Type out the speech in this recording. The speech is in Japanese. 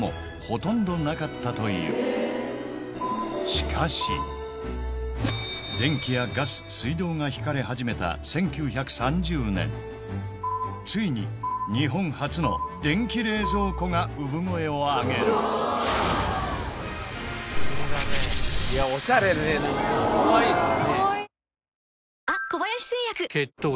しかし電気やガス水道が引かれ始めたついに日本初の電気冷蔵庫が産声を上げる今の人めっちゃ笑ってたえー